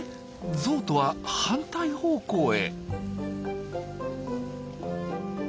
ゾウとは反対方向へ。